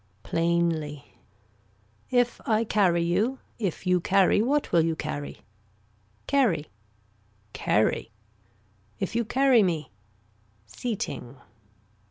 Plainly. If I carry you. If you carry, what will you carry. Carrie. Carrie. If you carry me. Seating.